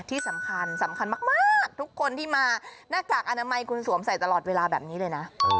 ที่สำคัญสำคัญมากทุกคนที่มาหน้ากากอนามัยคุณสวมใส่ตลอดเวลาแบบนี้เลยนะ